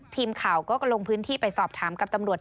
ทีมข่าวก็ลงพื้นที่ไปสอบถามกับตำรวจ